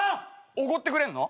おごってくれんの？